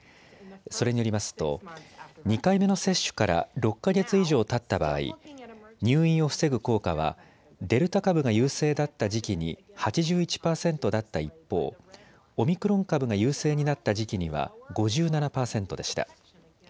それによりますと２回目の接種から６か月以上たった場合、入院を防ぐ効果はデルタ株が優勢だった時期に８１％だった一方、オミクロン株が優勢になった時期には５７％でした。